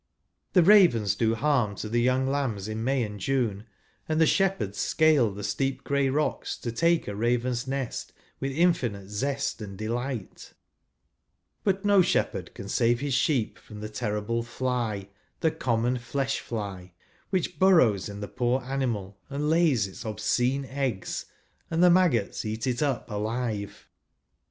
The ravens do harm to the young lambs in May and J une, and the shepherds scale the steep grey rocks to take a raven's nest with infinite zest and delight ; but no shepherd can save his sheep from the terrible fly — the common flesh fly — which burrows in the poor animal, and lays its obscene eggs, and the maggots eat it up alive.